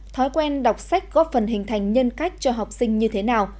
thói quen đọc sách góp phần hình thành nhân cách cho học sinh như thế nào